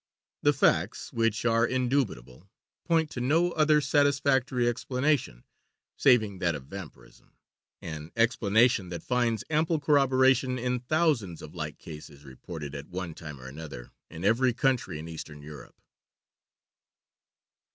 The facts, which are indubitable, point to no other satisfactory explanation saving that of vampirism an explanation that finds ample corroboration in thousands of like cases reported, at one time or another, in every country in Eastern Europe.